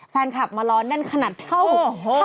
แฟนคลับมาร้อนนั่นขนาดเท่าโอ้โฮ